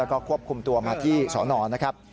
แล้วก็ควบคุมตัวมาที่สนนะครับ